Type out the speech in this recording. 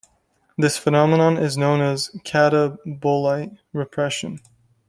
This phenomenon is known as catabolite repression.